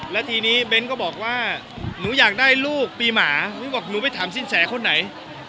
แล้วทีนี้เบ้นก็บอกว่าหนูอยากได้ลูกปีหมาหนูบอกหนูไปถามสินแสคนไหน